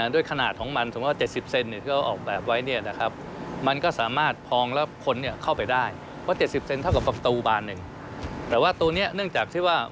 ด้วยขนาดของมันสมมุติ๗๐เซนนี่พอเราออกแบบไว้นี่นะครับ